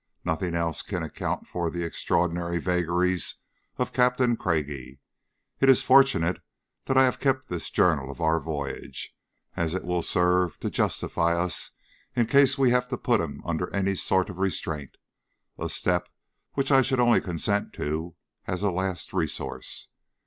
Nothing else can account for the extraordinary vagaries of Captain Craigie. It is fortunate that I have kept this journal of our voyage, as it will serve to justify us in case we have to put him under any sort of restraint, a step which I should only consent to as a last resource.